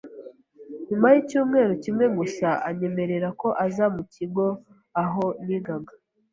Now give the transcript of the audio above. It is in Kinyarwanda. nyuma y’icyumweru kimwe gusa anyemerera ko aza mu kigo aho nigaga